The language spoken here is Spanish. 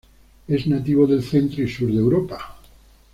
Es nativo del centro y sur de Europa.